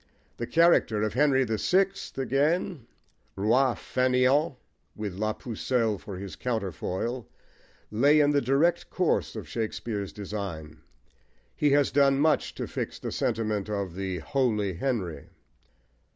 The character of Henry the Sixth again, roi fainéant, with La Pucelle* for his counterfoil, lay in the direct course of Shakespeare's design: he has done much to fix the sentiment of the "holy Henry."